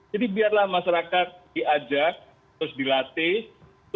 jadi biarlah masyarakat diajak terus dilatih